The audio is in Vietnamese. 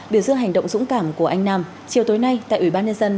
biểu dương hành động dũng cảm của anh nam chiều tối nay tại ủy ban nhân dân